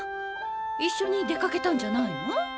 一緒に出掛けたんじゃないの？